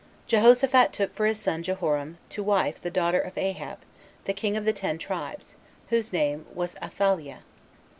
3. Jehoshaphat took for his son Jehoram to wife the daughter of Ahab, the king of the ten tribes, whose name was Athaliah.